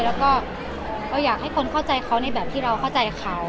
แล้วก็เราอยากให้คนเข้าใจเขาในแบบที่เราเข้าใจเขา